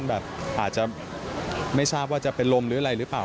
แบบอาจจะไม่ทราบว่าจะเป็นลมหรืออะไรหรือเปล่า